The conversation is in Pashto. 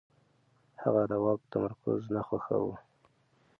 هغه د واک تمرکز نه خوښاوه.